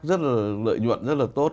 rất là lợi nhuận rất là tốt